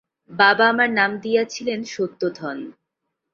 বাবা আমার নাম দিয়াছিলেন সত্যধন।